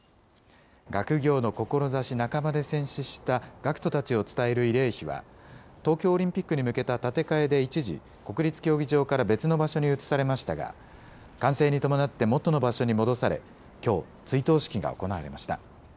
学業の志半ばで戦死した学徒たちを伝える慰霊碑は、東京オリンピックに向けた建て替えで一時、国立競技場から別の場所に移されましたが、完成に伴って元の場所に戻され、きょう、追悼式が行われました。